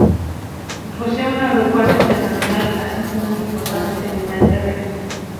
Posee un aeropuerto internacional, así como un importante terminal terrestre.